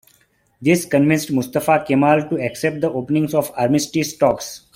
This convinced Mustafa Kemal to accept the opening of armistice talks.